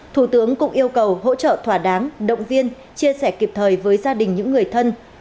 thủ tướng cũng yêu cầu hỗ trợ thỏa đáng động viên chia sẻ kịp thời với gia đình những người thân